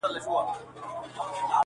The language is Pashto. چي د ملالي د ټپې زور یې لیدلی نه وي.!